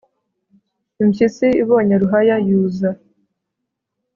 impyisi ibonye ruhaya yuza,